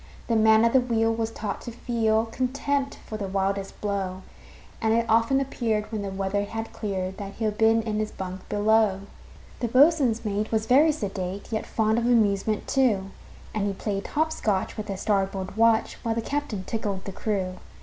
The man at the wheel was taught to feel Contempt for the wildest blow, And it often appeared, when the weather had cleared, That he'd been in his bunk below. The boatswain's mate was very sedate, Yet fond of amusement, too; And he played hop scotch with the starboard watch, While the captain tickled the crew.